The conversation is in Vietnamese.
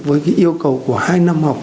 với cái yêu cầu của hai năm học